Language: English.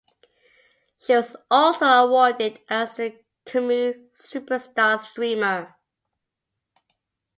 She was also awarded as the Kumu Superstar Streamer.